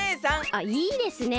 あっいいですね。